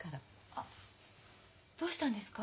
あっどうしたんですか？